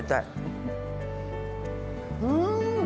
うん！